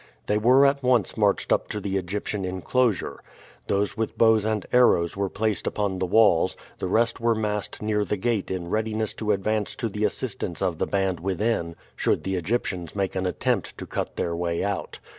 They were at once marched up to the Egyptian inclosure. Those with bows and arrows were placed upon the walls; the rest were massed near the gate in readiness to advance to the assistance of the band within should the Egyptians make an attempt to cut their way out.